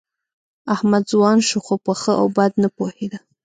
احمد ځوان شو، خو په ښه او بد نه پوهېده.